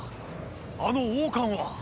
あの王冠は？